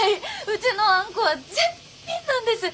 うちのあんこは絶品なんです。